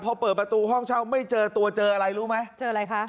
พอเปิดประตูห้องเช่าไม่เจอตัวเจออะไรรู้ไหมเจออะไรคะ